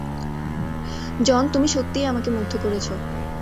জন, তুমি সত্যিই আমাকে মুগ্ধ করেছে।